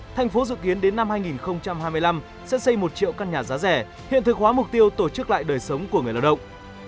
thành phố dự kiến đến năm hai nghìn hai mươi năm sẽ xây một triệu căn nhà giá rẻ hiện thực hóa mục tiêu tổ chức lại đời sống của người lao động